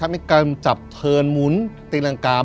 มีการจับเทินหมุนตีรังกาว